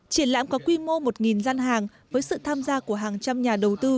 triển lãm có quy mô một gian hàng với sự tham gia của hàng trăm nhà đầu tư